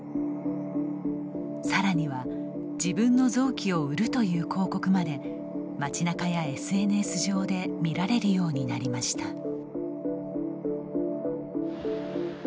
さらには自分の臓器を売るという広告まで街なかやＳＮＳ上で見られるようになりました。